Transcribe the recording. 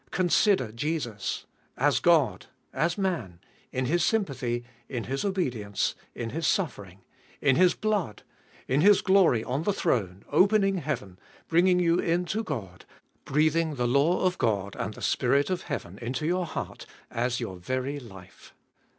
Consider Jesus ! As God ! As Man ! In His sympathy ! In His obedience ! In His suffering ! In His blood ! In His glory on the throne ; opening heaven ; bringing you in to God ; breathing the law of God and the Spirit of heaven into your heart, as your very life